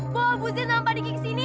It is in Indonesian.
bawa bu zed sama padiki ke sini